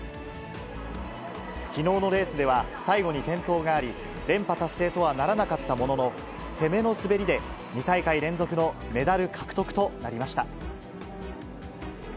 きのうのレースでは、最後に転倒があり、連覇達成とはならなかったものの、攻めの滑りで２大会連続のメダル獲得となりました。